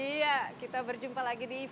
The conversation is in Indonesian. iya kita berjumpa lagi di